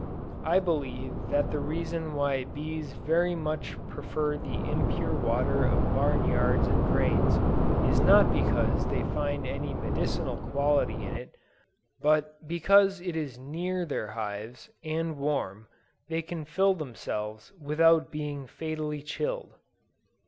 I believe that the reason why bees very much prefer the impure water of barn yards and drains, is not because they find any medicinal quality in it, but because as it is near their hives and warm, they can fill themselves without being fatally chilled.